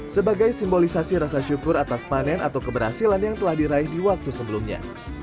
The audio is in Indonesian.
sebagai simbolisasi rasa syukur atas panen atau keberhasilan yang telah diraih di waktu sebelumnya